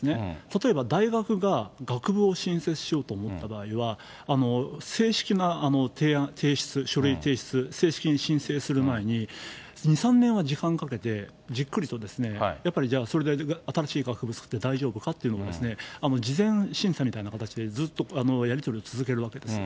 例えば、大学が学部をしんせいしようとおもったばあいは、正式な提案、提出、書類提出、正式に申請する前に、２、３年は時間かけて、じっくりとですね、やっぱりじゃあ、それだけ新しい学部作って大丈夫かっていうのを、事前審査みたいな形で、ずっとやり取りを続けるわけです。